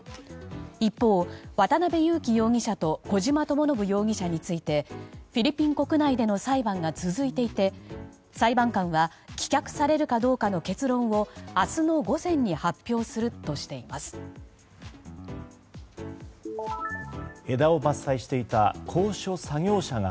一方、渡邉優樹容疑者と小島智信容疑者についてフィリピン国内での裁判が続いていて裁判官は棄却されるかどうかの結論を明日の午前に発表するとしています。